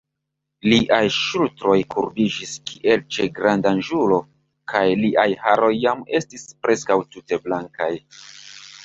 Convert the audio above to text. Liaj ŝultroj kurbiĝis, kiel ĉe grandaĝulo, kaj liaj haroj jam estis preskaŭ tute blankaj.